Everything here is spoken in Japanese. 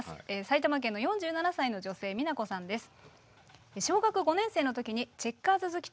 埼玉県の４７歳の女性ＭＩＮＡＫＯさんです。